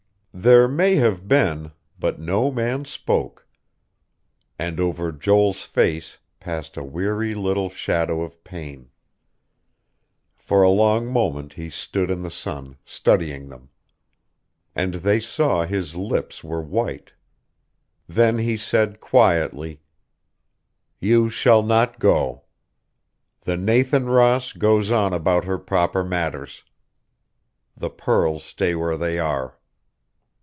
There may have been, but no man spoke; and over Joel's face passed a weary little shadow of pain. For a long moment he stood in the sun, studying them; and they saw his lips were white. Then he said quietly: "You shall not go. The Nathan Ross goes on about her proper matters. The pearls stay where they are."